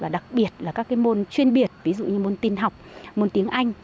đặc biệt là các môn chuyên biệt ví dụ như môn tin học môn tiếng anh